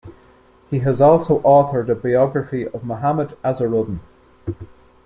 He has also authored a biography of Mohammad Azharuddin.